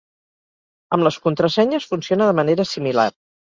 Amb les contrasenyes funciona de manera similar.